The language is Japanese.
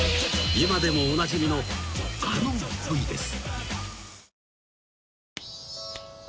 ［今でもおなじみのあの部位です］